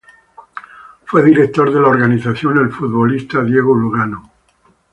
Fue director de la organización el futbolista Diego Lugano.